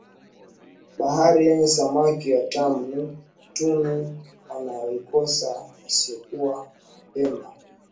Bahari yenye samaki watamu ni tunu wanayoikosa wasiokuwa Wapemba